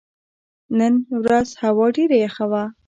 نن ورځ هوا ډېره یخه وه.